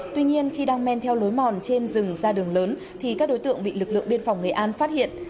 tuy nhiên khi đang men theo lối mòn trên rừng ra đường lớn thì các đối tượng bị lực lượng biên phòng nghệ an phát hiện